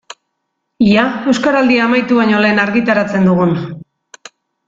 Ea Euskaraldia amaitu baino lehen argitaratzen dugun.